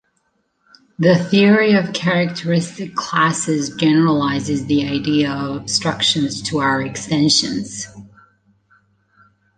The theory of characteristic classes generalizes the idea of obstructions to our extensions.